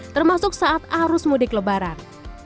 termasuk saat arus mudik lebaran